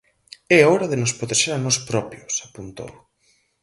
É hora de nos protexer a nós propios, apuntou.